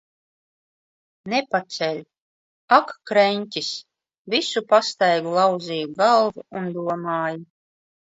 Nepaceļ. Ak, kreņķis! Visu pastaigu lauzīju galvu un domāju.